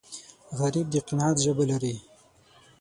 غریب د قناعت ژبه لري